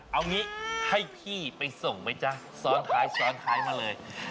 เอางี้ให้พี่ไปส่งไหมจ๊ะซ้อนท้ายซ้อนท้ายมาเลย